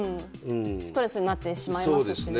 ストレスになってしまいますしね。